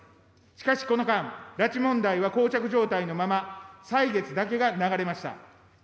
しかしこの間、拉致問題はこう着状態のまま、歳月だけが流れました。